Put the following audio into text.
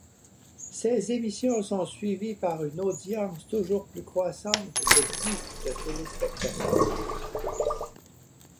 Ces émissions sont suivies par une audience toujours croissante de plus de téléspectateurs.